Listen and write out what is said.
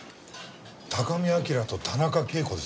高見明と田中啓子ですね。